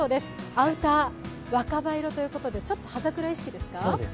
アウター若葉色ということでちょっと葉桜意識ですか？